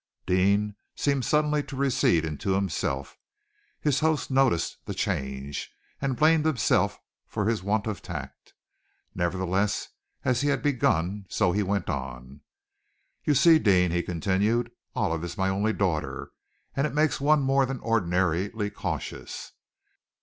Deane seemed suddenly to recede into himself. His host noticed the change, and blamed himself for his want of tact. Nevertheless, as he had begun, so he went on. "You see, Deane," he continued, "Olive is my only daughter, and it makes one more than ordinarily cautious.